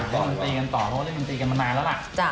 ลุยมินตรีกันต่อเพราะว่าลุยมินตรีกันมานานแล้วล่ะ